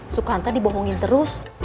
sukanta dibohongin terus